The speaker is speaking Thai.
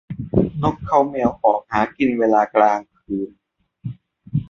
นกเค้าแมวออกหากินเวลากลางคืน